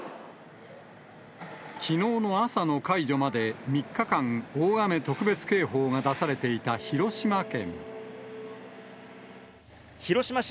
きのうの朝の解除まで３日間、大雨特別警報が出されていた広島県。